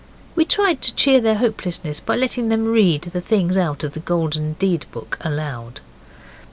We tried to cheer their hopelessness by letting them read the things out of the Golden Deed book aloud.